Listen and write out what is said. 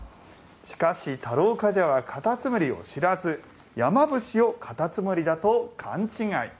しかし、太郎冠者はカタツムリを知らず山伏をカタツムリだと勘違い。